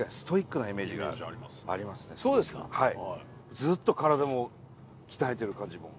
ずっと体も鍛えてる感じも。